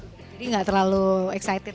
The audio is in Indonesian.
jadi gak terlalu excited